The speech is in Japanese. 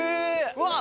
うわっ！